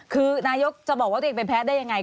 คือนายกจะบอกว่าตัวเองเป็นแพ้ได้ยังไง